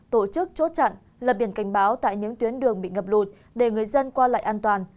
tổ chức chốt chặn lập biển cảnh báo tại những tuyến đường bị ngập lụt để người dân qua lại an toàn